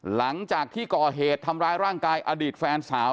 หลังจากที่ก่อเหตุทำร้ายร่างกายอดีตแฟนสาว